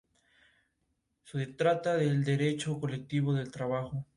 House descarta la posibilidad por falta de fiebre.